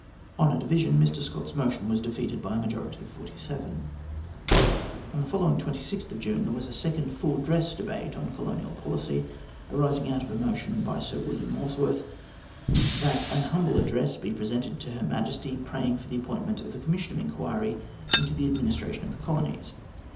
On a division, Mr Scott's motion was defeated by a majority of forty seven. On the following June 26, there was a second full dresa debate on colonial policy, arising out of a motion of Sir William Molesworth, that an humble address be presented to Her Majesty, praying for the appointment of a Commis sion of Enquiry into the administration of the colonies.